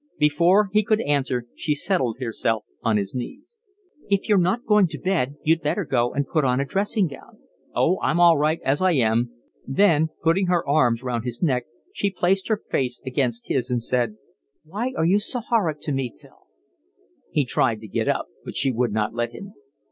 Before he could answer she settled herself on his knees. "If you're not going to bed you'd better go and put on a dressing gown." "Oh, I'm all right as I am." Then putting her arms round his neck, she placed her face against his and said: "Why are you so horrid to me, Phil?" He tried to get up, but she would not let him.